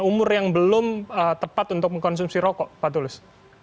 umur yang belum tepat untuk mengkonsumsi rokok pak tulus